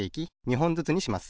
ほんずつにします。